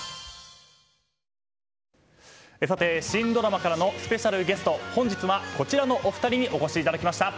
さて、新ドラマからのスペシャルゲスト本日は、こちらのお二人にお越しいただきました。